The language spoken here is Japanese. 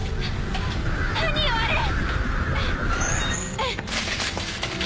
何よあれ！